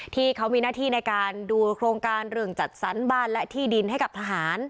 ที่เขามีหน้าที่ในการดูโครงการเรื่องจัดสรรบ้านและที่ดินให้กับทหาร